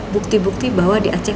bukti bukti bahwa di aceh